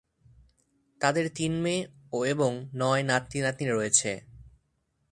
তাদের তিন মেয়ে এবং নয় নাতি-নাতনী রয়েছে।